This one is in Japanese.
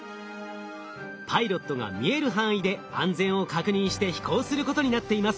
パイロットが見える範囲で安全を確認して飛行することになっています。